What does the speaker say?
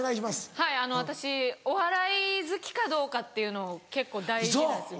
はいあの私お笑い好きかどうかっていうの結構大事なんですよ。